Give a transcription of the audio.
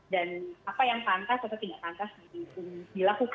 dan apa yang pantas atau tidak pantas